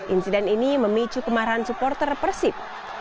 insiden ini memicu kemarahan supporter persib